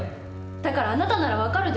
だからあなたなら分かるでしょ？